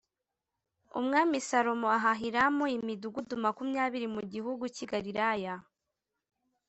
Umwami Salomo aha Hiramu imidugudu makumyabiri mu gihugu cy’i Galilaya